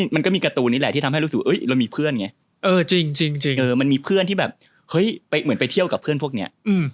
มันก็มีการ์ตูนนี่แหละที่ทำให้รู้สึกว่าเรามีเพื่อนไงมันมีเพื่อนที่แบบเฮ้ยเหมือนไปเที่ยวกับเพื่อนพวกนี้